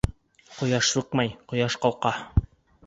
— Ҡояш сыҡмай, ҡояш ҡалҡа.